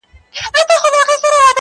له کابله تر بنګاله یې وطن وو٫